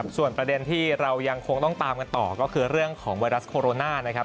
ส่วนประเด็นที่เรายังคงต้องตามกันต่อก็คือเรื่องของไวรัสโคโรนานะครับ